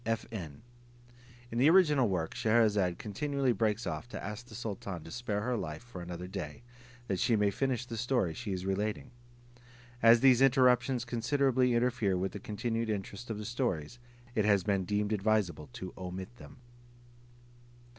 [FN: In the original work Scheherazade continually breaks off to ask the sultan to spare her life for another day, that she may finish the story she is relating. As these interruptions considerably interfere with the continued interest of the stories, it has been deemed advisable to omit them.